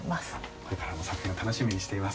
これからも作品を楽しみにしています。